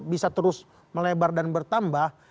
bisa terus melebar dan bertambah